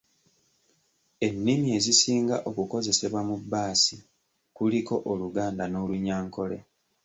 Ennimi ezisinga okukozesebwa mu bbaasi kuliko Oluganda n’Olunyankole.